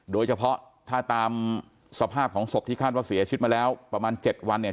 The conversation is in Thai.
โดยเฉพาะถ้าตามสภาพของศพที่คาดว่าเสียชีวิตมาแล้วประมาณ๗วันเนี่ย